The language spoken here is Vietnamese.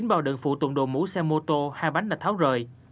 chín bào đựng phụ tùng đồ mũ xe mô tô hai bánh đạch tháo rời